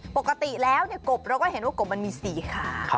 ปกติแล้วกบเราก็เห็นว่ากบมันมีสีขาว